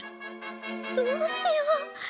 どうしよう。